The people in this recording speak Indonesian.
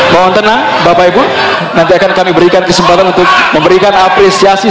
mohon tenang bapak ibu nanti akan kami berikan kesempatan untuk memberikan apresiasi